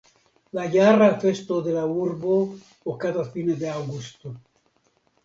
La jara festo de la urbo okazas fine de aŭgusto.